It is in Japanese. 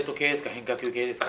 変化球ですか？